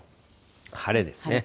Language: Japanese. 晴れですね。